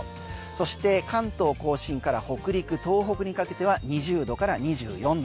そして関東・甲信から北陸、東北にかけては２０度から２４度。